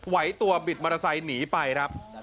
ไหวตัวบิดมอเตอร์ไซค์หนีไปครับ